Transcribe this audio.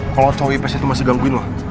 kalau cowok ipes itu masih gangguin lah